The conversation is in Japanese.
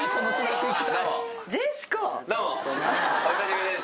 どうもお久しぶりです。